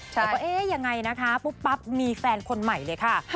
แต่ก็เอ๊ะยังไงนะคะปุ๊บปั๊บมีแฟนคนใหม่เลยค่ะ